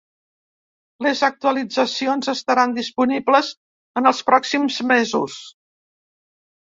Les actualitzacions estaran disponibles en els pròxims mesos.